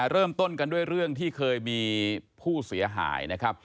เริ่มต้นกันด้วยเรื่องที่เคยมีผู้เสียหายนะครับ